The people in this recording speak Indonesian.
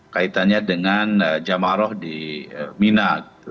kaitannya dengan jemaah roh di mina